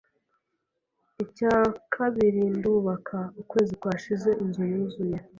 icya kabirindubaka, ukwezi kwashize inzu yuzuye